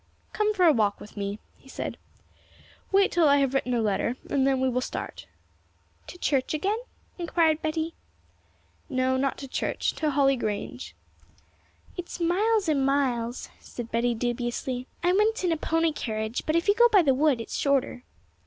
'Come for a walk with me,' he said; 'wait till I have written a letter, and then we will start.' 'To church again?' inquired Betty. 'No, not to church; to Holly Grange.' 'It's miles and miles,' said Betty dubiously; 'I went in a pony carriage, but if you go by the wood it is shorter.'